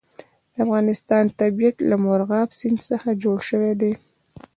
د افغانستان طبیعت له مورغاب سیند څخه جوړ شوی دی.